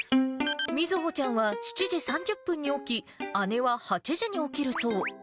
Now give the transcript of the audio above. みずほちゃんは７時３０分に起き、姉は８時に起きるそう。